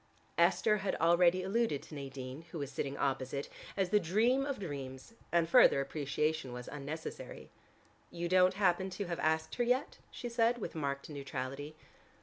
Esther had already alluded to Nadine, who was sitting opposite, as the dream of dreams, and further appreciation was unnecessary. "You don't happen to have asked her yet?" she said, with marked neutrality.